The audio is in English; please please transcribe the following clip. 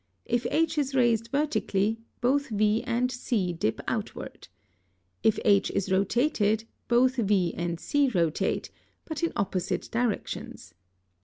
If H is raised vertically, both V and C dip outward. If H is rotated, both V and C rotate, but in opposite directions.